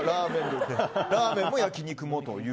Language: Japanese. ラーメンも焼き肉もと。